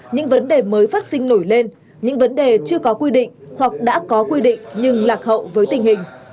những vấn đề mới phát sinh nổi lên những vấn đề chưa có quy định hoặc đã có quy định nhưng lạc hậu với tình hình